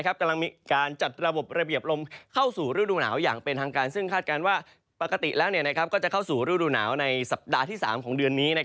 กำลังมีการจัดระบบระเบียบลมเข้าสู่ฤดูหนาวอย่างเป็นทางการซึ่งคาดการณ์ว่าปกติแล้วก็จะเข้าสู่ฤดูหนาวในสัปดาห์ที่๓ของเดือนนี้